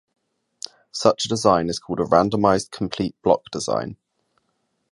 Such a design is called a randomized complete block design.